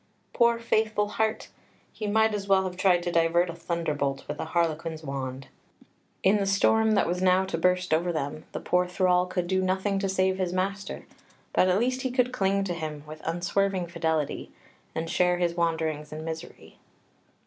Poor faithful heart! He might as well have tried to divert a thunderbolt with a harlequin's wand. In the storm that was now to burst over them, the poor thrall could do nothing to save his master, but at least he could cling to him with unswerving fidelity, and share his wanderings and misery.